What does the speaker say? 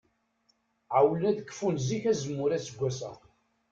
Ɛewwlen ad d-kfun zik azemmur aseggas-a.